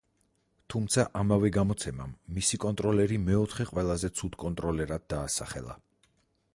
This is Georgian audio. თუმცა ამავე გამოცემამ მისი კონტროლერი მეოთხე ყველაზე ცუდ კონტროლერად დაასახელა.